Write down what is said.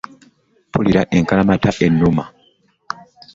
Mpulira enkalamata ennuma.